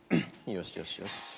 よしよしよし。